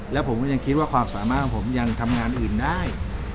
แล้วผมก็ยังคิดว่าความสามารถของผมยังทำงานอื่นได้